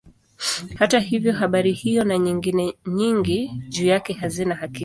Hata hivyo habari hiyo na nyingine nyingi juu yake hazina hakika.